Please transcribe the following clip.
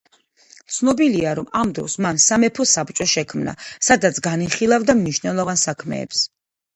ცნობილია, რომ ამ დროს მან სამეფო საბჭო შექმნა, სადაც განიხილავდა მნიშვნელოვან საქმეებს.